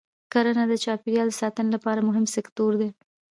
کرنه د چاپېریال د ساتنې لپاره مهم سکتور دی.